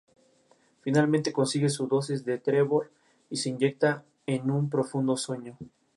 El guion del remake fue escrito por los hermanos Coen.